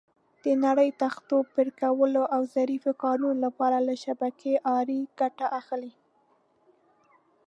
د نریو تختو پرېکولو او ظریفو کارونو لپاره له شبکې آرې ګټه اخلي.